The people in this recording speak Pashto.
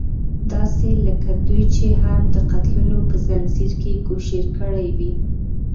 داسې لکه دوی چې هم د قتلونو په ځنځير کې کوشير کړې وي.